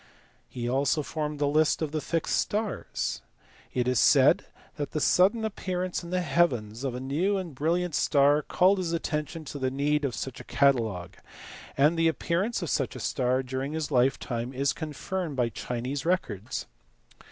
He also formed a list of the fixed stars. It is said that the sudden appearance in the heavens of a new and brilliant star called his attention to the need of such a catalogue; and the appearance of such a star during his lifetime is confirmed by Chinese records.